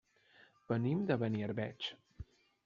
Venim de Beniarbeig.